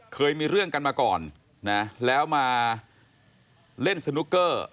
เคยมีเรื่องกันมาก่อนนะแล้วมาเล่นสนุกเกอร์